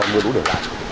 mưa đủ để lại